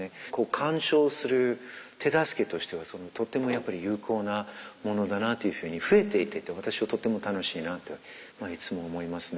鑑賞する手助けとしてはとても有効なものだなというふうに増えていってて私はとても楽しいなといつも思いますね。